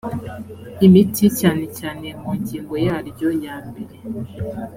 imiti cyane cyane mu ngingo yaryo yambere